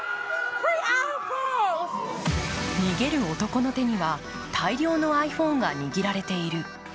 逃げる男の手には大量のｉＰｈｏｎｅが握られている。